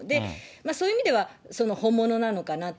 そういう意味では、本物なのかなと。